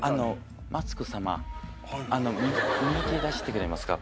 マツコ様右手出してくれますか。